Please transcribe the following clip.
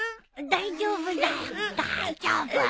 大丈夫だよ大丈夫。